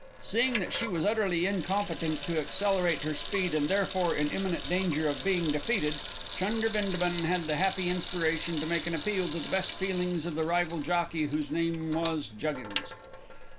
Seeing that she was utterly incompetent to accelerate her speed and therefore in imminent danger of being defeated, Chunder Bindabun had the happy inspiration to make an appeal to the best feelings of the rival jockey, whose name was Juggins.